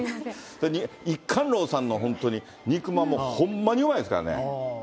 一貫楼さんの、本当に肉まんも、ほんまにうまいですからね。